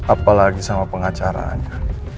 apalagi sama pengacaranya